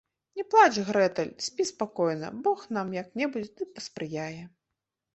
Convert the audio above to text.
- Не плач, Грэтэль, спі спакойна, Бог нам як-небудзь ды паспрыяе